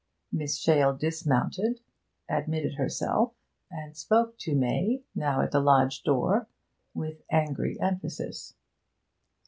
Miss Shale dismounted, admitted herself, and spoke to May (now at the lodge door) with angry emphasis.